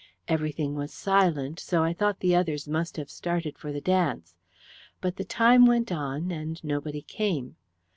Everything was silent, so I thought the others must have started for the dance. But the time went on, and nobody came.